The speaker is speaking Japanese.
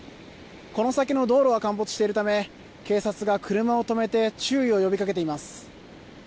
この先の道路が陥没しているため警察が車を止めて注意を呼び掛けています。